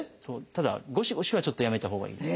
ただごしごしはちょっとやめたほうがいいですね。